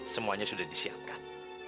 semuanya sudah disiapkan